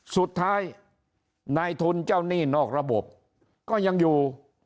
สุดท้ายนายทุนเจ้าหนี้นอกระบบก็ยังอยู่